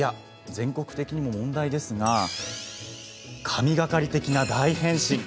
全国的にも問題ですが神がかり的な大変身。